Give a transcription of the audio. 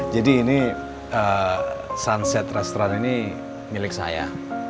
jadi ini ee sunset restaurant ini milik saya